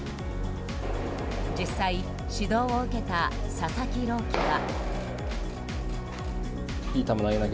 実際、指導を受けた佐々木朗希は。